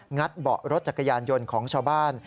ัดเบาะรถจักรยานยนต์ของชาวบ้าน